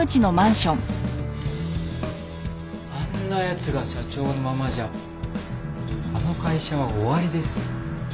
あんな奴が社長のままじゃあの会社は終わりですよ。